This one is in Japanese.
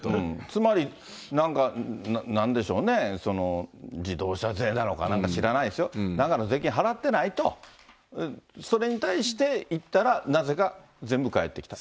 つまりなんか、なんでしょうね、自動車税なのか、なんか知らないですよ、なんかの税金払ってないと、それに対して行ったら、なぜか全部返ってきた。